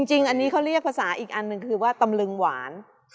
จริงอันนี้เขาเรียกภาษาอีกอันหนึ่งคือว่าตำลึงหวาน